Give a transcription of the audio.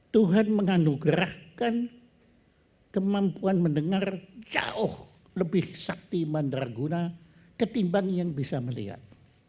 tuhan menganugerahkan kemampuan mendengar jauh lebih sakti mandarguna ketimbang yang bisa melihat